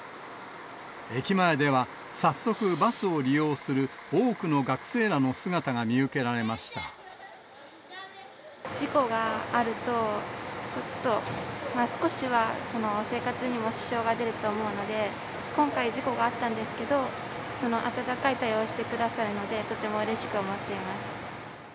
駅前では早速、バスを利用する多くの学生らの姿が見受けられまし事故があるとちょっと、少しは生活にも支障が出ると思うので、今回、事故があったんですけど、温かい対応をしてくださるので、とてもうれしく思っています。